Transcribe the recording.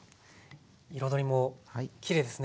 彩りもきれいですね